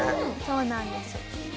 そうなんです。